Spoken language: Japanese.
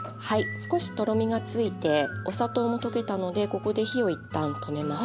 少しとろみがついてお砂糖も溶けたのでここで火を一旦止めます。